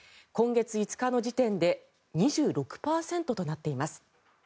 今月５日の時点で２６％となっています。